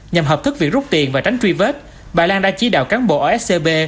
nhằm hợp thức việc rút tiền và tránh truy vết bà lan đã chỉ đạo cán bộ ở scb